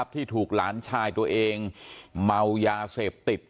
ที่ถูกหลานชายตัวเองเมายาเสพติด